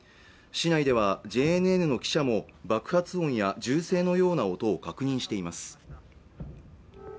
市内ではＪＮＮの記者も爆発音や銃声のような音を確認しています